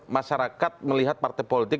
masyarakat melihat partai politik